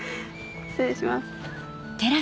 失礼します。